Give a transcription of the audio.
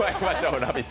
「ラヴィット！」